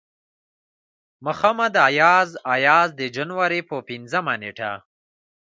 محمد اياز اياز د جنوري پۀ پينځمه نيټه